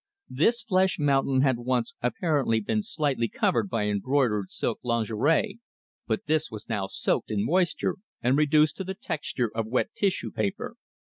This flesh mountain had once apparently been slightly covered by embroidered silk lingerie, but this was now soaked in moisture and reduced to the texture of wet tissue paper.